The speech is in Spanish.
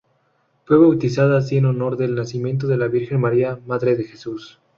Fue bautizada así en honor del nacimiento de la Virgen María, madre de Jesús.